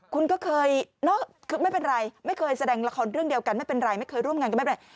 คุณก็เคยคือไม่เป็นไรไม่เคยแสดงละครเรื่องเดียวกันไม่เป็นไรไม่เคยร่วมงานก็ไม่เป็นไร